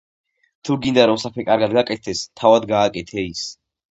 „თუ გინდა, რომ საქმე კარგად გაკეთდეს, თავად გააკეთე ის.”